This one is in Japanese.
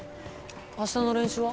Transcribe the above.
明日の練習は？